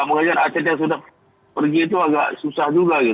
mengajar atlet yang sudah pergi itu agak susah juga